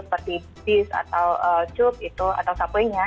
seperti bis atau cuk itu atau sapunya